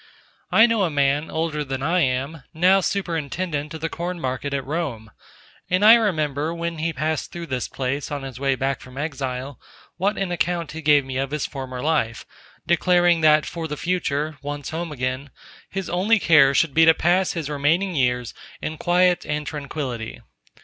I know a man older than I am, now Superintendent of the Corn market at Rome, and I remember when he passed through this place on his way back from exile, what an account he gave me of his former life, declaring that for the future, once home again, his only care should be to pass his remaining years in quiet and tranquility.